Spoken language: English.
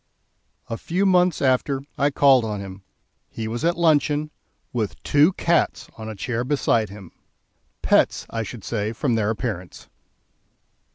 A few months after, I called on him; he was at luncheon, with two cats on a chair beside him pets I should say, from their appearance.